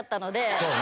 そうね。